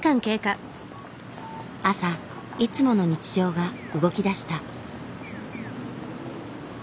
朝いつもの日常が動きだした。